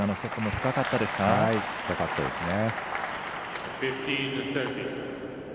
深かったですね。